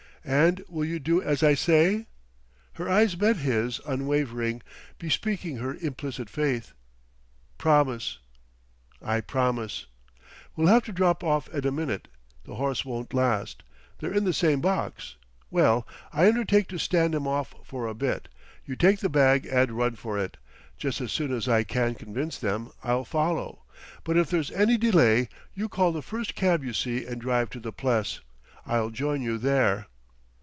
"And will you do as I say?" Her eyes met his, unwavering, bespeaking her implicit faith. "Promise!" "I promise." "We'll have to drop off in a minute. The horse won't last.... They're in the same box. Well, I undertake to stand 'em off for a bit; you take the bag and run for it. Just as soon as I can convince them, I'll follow, but if there's any delay, you call the first cab you see and drive to the Pless. I'll join you there."